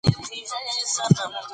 د ریګ دښتې د بڼوالۍ برخه ده.